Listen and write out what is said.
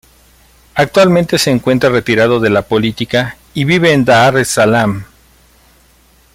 Actualmente se encuentra retirado de la política y vive en Dar es Salaam.